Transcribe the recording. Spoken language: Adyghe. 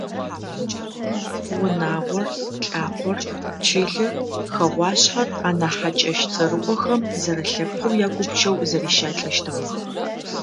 Унагъор, лӏакъор, чылэр, хэгъуашъхьэр, анахь хьакӏэщ цӏэрыӏохэм – зэрэлъэпкъэу ягупчэу зэрищалӏэщтыгъэх.